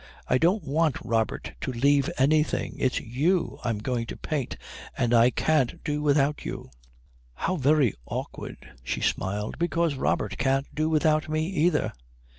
"I don't want Robert to leave anything. It's you I'm going to paint. And I can't do without you." "How very awkward," she smiled, "because Robert can't do without me, either."